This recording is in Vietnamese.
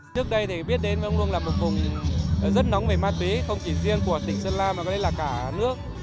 trước đây thì biết đến vân hồ luông là một vùng rất nóng về ma túy không chỉ riêng của tỉnh sơn la mà có đây là cả nước